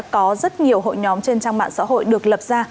có rất nhiều hội nhóm trên trang mạng xã hội được lập ra